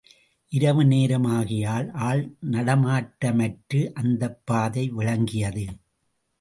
இரவுநேரம் ஆகையால் ஆள் நடமாட்டமற்று அந்தப் பாதை விளங்கியது.